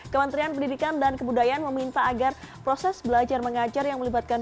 kementerian pendidikan dan kebudayaan meminta agar proses belajar mengajar yang melibatkan